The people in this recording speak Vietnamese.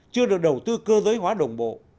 chưa được đầu tư cơ giới hóa đồng bộ